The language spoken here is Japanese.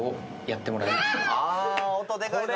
あ音でかいからね。